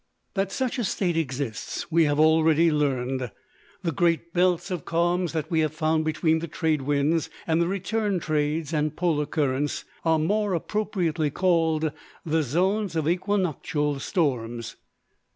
That such a state exists, we have already learned. The great belts of calms that we have found between the trade winds and the return trades and polar currents, are more appropriately called the zones of equinoctial storms.